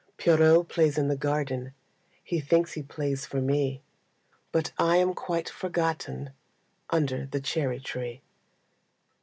Pierrot plays in the garden, He thinks he plays for me, But I am quite forgotten Under the cherry tree.